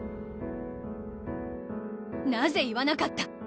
なぜ言わなかった！